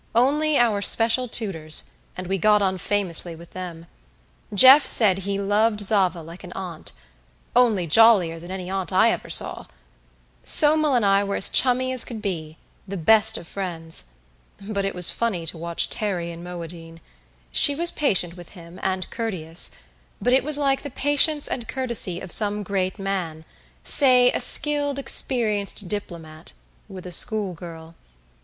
Only our special tutors, and we got on famously with them. Jeff said he loved Zava like an aunt "only jollier than any aunt I ever saw"; Somel and I were as chummy as could be the best of friends; but it was funny to watch Terry and Moadine. She was patient with him, and courteous, but it was like the patience and courtesy of some great man, say a skilled, experienced diplomat, with a schoolgirl.